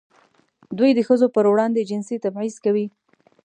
دوی د ښځو پر وړاندې جنسي تبعیض کوي.